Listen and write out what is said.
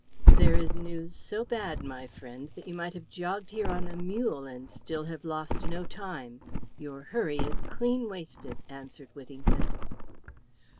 "There is news so bad, my friend, that you might have jogged here on a mule and still have lost no time. Your hurry is clean wasted," answered Whittington.